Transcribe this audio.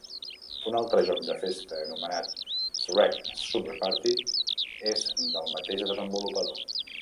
Un altre joc de festa anomenat "Shrek super party" és del mateix desenvolupador.